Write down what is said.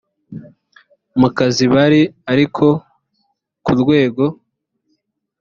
mu kazi bari ariko ku rwego